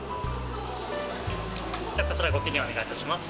「こちらご記入お願いします。